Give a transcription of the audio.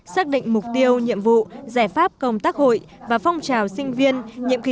xác định mục tiêu nhiệm vụ giải pháp công tác hội và phong trào sinh viên nhiệm kỳ hai nghìn một mươi ba